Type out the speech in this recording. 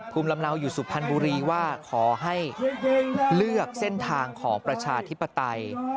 ภูมิลำเนาอยู่สุพรรณบุรีว่าขอให้เลือกเส้นทางของประชาธิปไตย